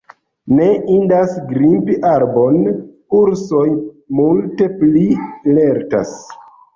Ne indas grimpi arbon: ursoj multe pli lertas.